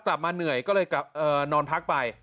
กลับมาเหนื่อยก็เลยกลับนอนพักไป